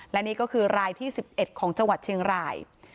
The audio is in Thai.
และนี่ก็คือรายที่๑๑ของจังหวัดเชียงราย